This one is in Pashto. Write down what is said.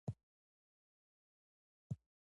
د خیر لاره د بریا لاره ده.